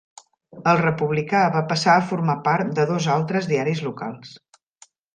El "Republicà" va passar a formar part de dos altres diaris locals.